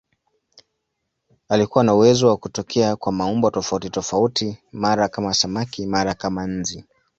Alikuwa na uwezo wa kutokea kwa maumbo tofautitofauti, mara kama samaki, mara kama nzi.